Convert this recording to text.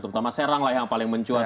terutama serang lah yang paling mencuat